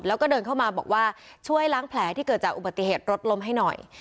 แล้วก็เดินเข้ามาบอกว่าช่วยล้างแผลที่เกิดจากอุบัติเหตุรถล้มให้หน่อย